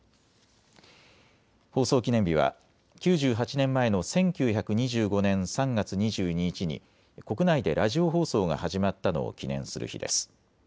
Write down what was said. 放送記念日は９８年前の１９２５年３月２２日に国内でラジオ放送が始まったのを記念する日です。